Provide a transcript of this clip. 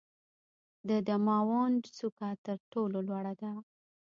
د دماوند څوکه تر ټولو لوړه ده.